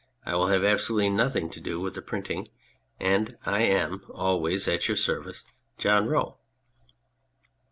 I will have absolutely nothing to do with the printing, and I am, Always at your service, JOHN ROE.